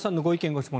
・ご質問